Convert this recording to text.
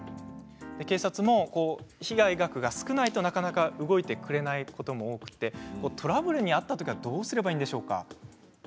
警察も被害額が少ないとなかなか動いてくれないことも多くてトラブルに遭った時はどうすればいいんでしょうか。